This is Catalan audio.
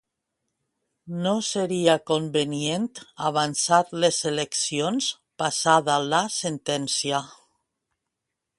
No seria convenient avançar les eleccions passada la sentència.